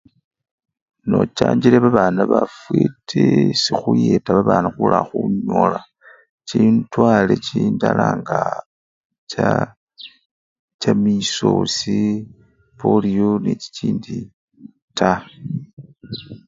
Nochanchile babana bafwiti sikhuyeta babana khula khunyola chindwale chindala nga cha! chamisosi, poliyo nechichindi taa.